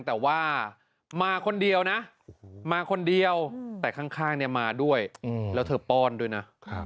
แต่ว่ามาคนเดียวนะมาคนเดียวแต่ข้างเนี่ยมาด้วยแล้วเธอป้อนด้วยนะ